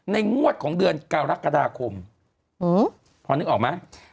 งวดของเดือนกรกฎาคมพอนึกออกไหม